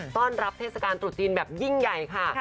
ต้อนรับเทศกาลตรุษจีนแบบยิ่งใหญ่ค่ะ